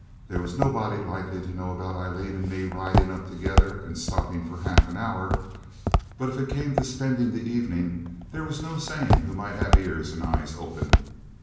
There was nobody likely to know about Aileen and me riding up together and stopping half an hour; but if it came to spending the evening, there was no saying who might have ears and eyes open.